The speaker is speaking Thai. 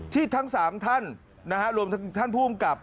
ที่ทั้ง๓ท่านนะฮะรวมทั้งท่านผู้กำกับ